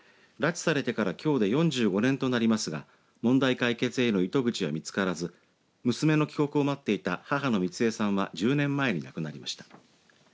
拉致されてからきょうで４５年となりますが問題解決への糸口は見つからず娘の帰国を待っていた母の三江さんは１０年前に亡くなりました。